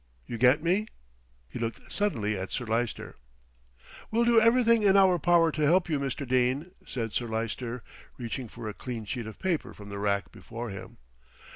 You get me?" He looked suddenly at Sir Lyster. "We'll do everything in our power to help you, Mr. Dene," said Sir Lyster, reaching for a clean sheet of paper from the rack before him.